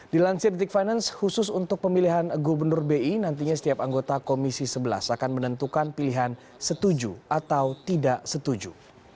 dilansir detik finance khusus untuk pemilihan gubernur bi nantinya setiap anggota komisi sebelas akan menentukan pilihan setuju atau tidak setuju